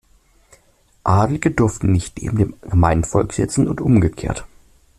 Adlige durften nicht neben dem "gemeinen" Volk sitzen und umgekehrt.